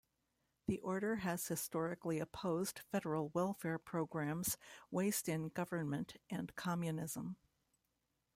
The order has historically opposed federal welfare programs, waste in government and Communism.